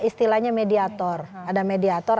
istilahnya mediator ada mediator